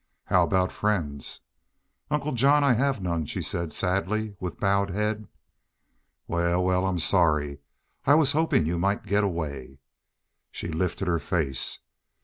"How aboot friends?" "Uncle John, I have none," she said, sadly, with bowed head. "Wal, wal, I'm sorry. I was hopin' you might git away." She lifted her face.